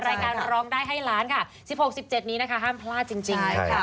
รายการร้องได้ให้ล้านค่ะ๑๖๑๗นี้นะคะห้ามพลาดจริงนะคะ